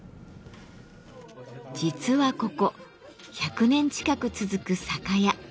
実はここ１００年近く続く酒屋。